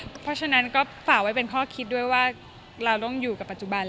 เพราะฉะนั้นก็ฝากไว้เป็นข้อคิดด้วยว่าเราต้องอยู่กับปัจจุบัน